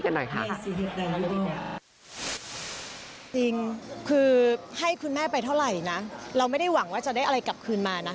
น้ำตาคนเป็นลูกอ่ะมันหายออกมา